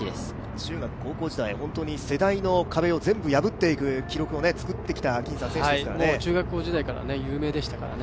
中学、高校時代は世代の壁を全部破っていく記録をつくった選手でしたからね。